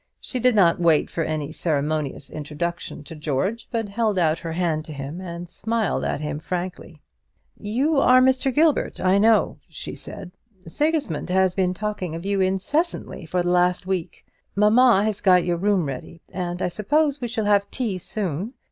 She did not wait for any ceremonious introduction to George, but held out her hand to him, and smiled at him frankly. "Yon are Mr. Gilbert, I know," she said. "Sigismund has been talking of you incessantly for the last week. Mamma has got your room ready; and I suppose we shall have tea soon.